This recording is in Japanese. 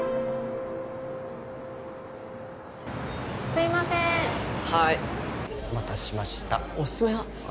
・すいませーんはいお待たせしました・オススメは？